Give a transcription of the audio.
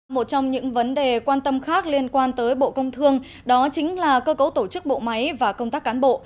một trong những vấn đề quan tâm khác liên quan tới bộ công thương đó chính là cơ cấu tổ chức bộ máy và công tác cán bộ